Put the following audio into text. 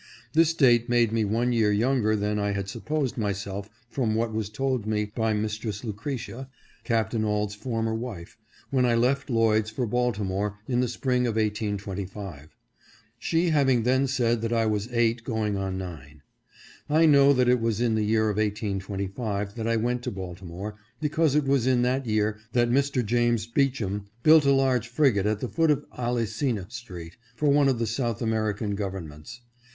This date made me one year younger than I had supposed myself from what was told me by Mistress Lucretia, Captain Auld's former wife, when I left Lloyd's for Baltimore in the Spring of 1825 ; she having then said that I was eight, going on nine. I know that it was in the year 1825 that I went to Baltimore, because it was in that year that Mr. James Beacham built a large frigate at the foot of Alli ceana street, for one of the South American Govern 538 CAPTAIN auld's death. ments.